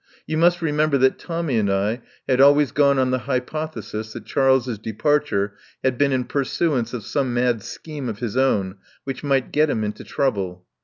You must remember that Tommy and I had always gone on the hypothesis that Charles's departure had been in pursuance of some mad scheme of his own which might get him into trouble.